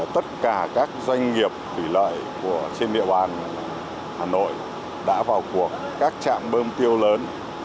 tất cả các doanh nghiệp thủy lợi trên địa bàn hà nội đã vào cuộc các trạm bơm tiêu lớn